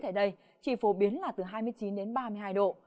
tại đây chỉ phổ biến là từ hai mươi chín đến ba mươi hai độ